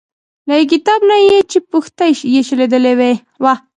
له یو کتاب نه یې چې پښتۍ یې شلیدلې وه.